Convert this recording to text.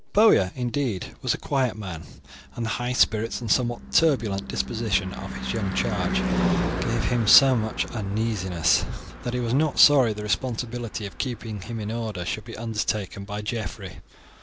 The bowyer, indeed, was a quiet man, and the high spirits and somewhat turbulent disposition of his young charge gave him so much uneasiness, that he was not sorry the responsibility of keeping him in order should be undertaken by Geoffrey.